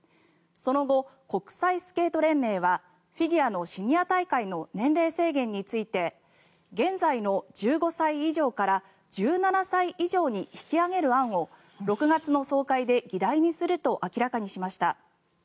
その後、国際スケート連盟はフィギュアのシニア大会の年齢制限について現在の１５歳以上から１７歳以上に引き上げる案を６月の総会で議題にすると明らかにしました。